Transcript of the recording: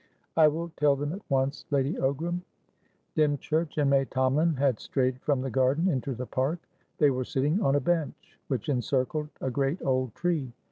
"I will tell them at once, Lady Ogram." Dymchurch and May Tomalin had strayed from the garden into the park. They were sitting on a bench which encircled a great old tree.